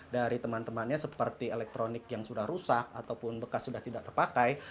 dari teman temannya seperti elektronik yang sudah rusak ataupun bekas sudah tidak terpakai